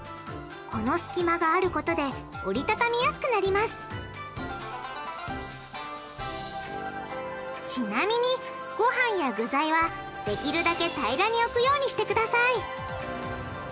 この隙間があることで折り畳みやすくなりますちなみにごはんや具材はできるだけ平らに置くようにしてください